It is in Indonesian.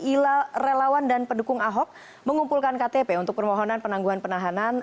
ila relawan dan pendukung ahok mengumpulkan ktp untuk permohonan penangguhan penahanan